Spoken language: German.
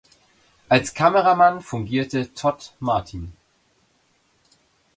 Als Kameramann fungierte Todd Martin.